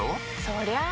そりゃあ